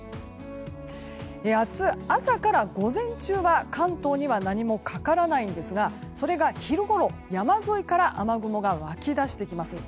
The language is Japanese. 明日、朝から午前中は関東には何もかからないんですがそれが昼ごろ、山沿いから雨雲が湧きだしてきます。